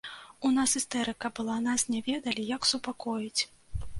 У нас істэрыка была, нас не ведалі, як супакоіць.